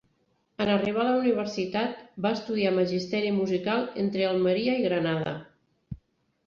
En arribar a la universitat va estudiar Magisteri Musical entre Almeria i Granada.